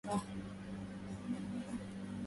يا شادنا قصرت يدي عن نيله